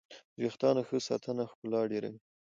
د ویښتانو ښه ساتنه ښکلا ډېروي.